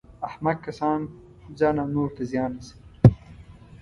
احمق کسان ځان او نورو ته زیان رسوي.